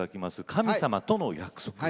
「神様との約束」